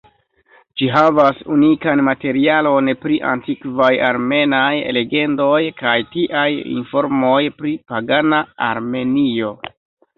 Ĝi havas unikan materialon pri antikvaj armenaj legendoj, kaj tiaj informoj pri pagana Armenio.